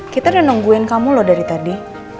kita udah nungguin kamu loh dari tadi